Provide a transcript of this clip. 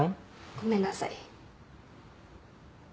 ごめんなさい。